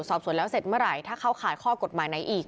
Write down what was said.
สอบส่วนแล้วเสร็จเมื่อไหร่ถ้าเข้าข่ายข้อกฎหมายไหนอีก